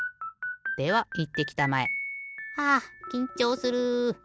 ではいってきたまえ。はあきんちょうする。